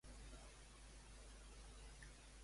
I quan és que acaba?